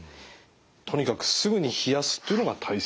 とにかくすぐに冷やすっていうのが大切だと。